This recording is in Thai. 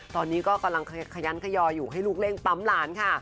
ตอนนี้ก็กำลังขยันขยออยู่ให้ลูกเร่งปั๊มหลานค่ะ